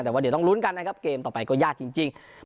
แต่ว่าเดี๋ยวต้องลุ้นกันนะครับเกมต่อไปก็ยากจริง